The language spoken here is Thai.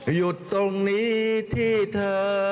หยุดตรงนี้ที่เธอ